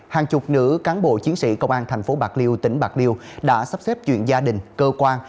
hàng chục nữ cán bộ chiến sĩ công an thành phố bạc liêu tỉnh bạc liêu đã sắp xếp chuyện gia đình cơ quan